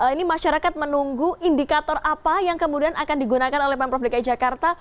ini masyarakat menunggu indikator apa yang kemudian akan digunakan oleh pemprov dki jakarta